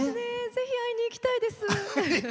ぜひ会いに行きたいです！